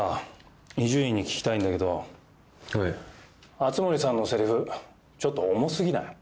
熱護さんのせりふちょっと重すぎない？